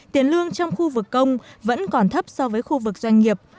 tiền lương trong khu vực công vẫn còn thấp so với khu vực doanh nghiệp